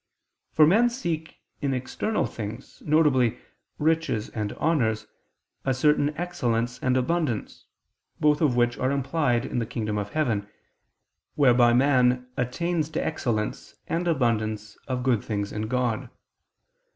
For men seek in external things, viz. riches and honors, a certain excellence and abundance, both of which are implied in the kingdom of heaven, whereby man attains to excellence and abundance of good things in God.